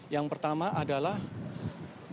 yang pertama adalah dimulai